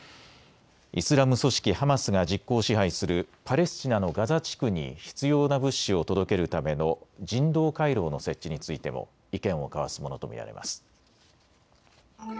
イスラム組織ハマスが実効支配するパレスチナのガザ地区に必要な物資を届けるための人道回廊の設置についても意見を交わすものと見られます。